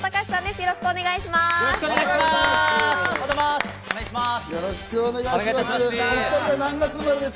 よろしくお願いします！